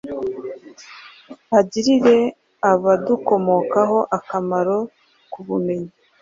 agirire abadukomokaho akamaro ku bumenyi,